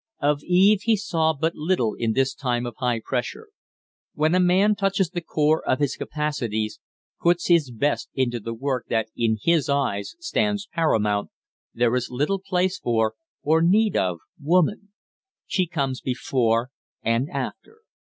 Of Eve he saw but little in this time of high pressure. When a man touches the core of his capacities, puts his best into the work that in his eyes stands paramount, there is little place for, and no need of, woman. She comes before and after.